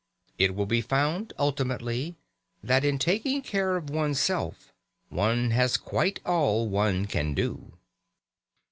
It will be found, ultimately, that in taking care of one's self one has quite all one can do.